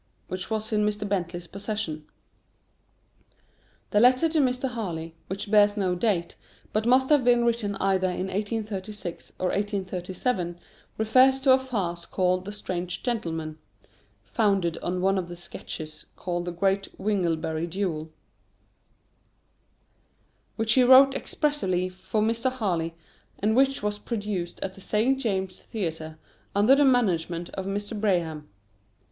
which was in Mr. Bentley's possession. The letter to Mr. Harley, which bears no date, but must have been written either in 1836 or 1837, refers to a farce called "The Strange Gentleman" (founded on one of the "Sketches," called the "Great Winglebury Duel"), which he wrote expressly for Mr. Harley, and which was produced at the St. James's Theatre, under the management of Mr. Braham.